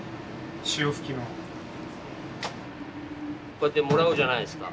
こうやってもらうじゃないですか。